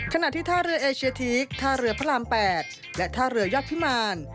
ขณะที่ท่าเรือเอเชียทีกท่าเรือพระราม๘และท่าเรือยอดพิมาร